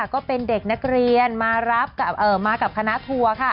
ก็เป็นเด็กนักเรียนมารับมากับคณะทัวร์